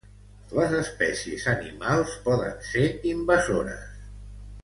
Les espècies animals poden ser invasores.